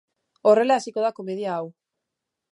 Horrela hasiko da komedia hau.